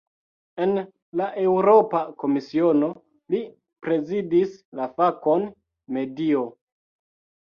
En la Eŭropa Komisiono, li prezidis la fakon "medio".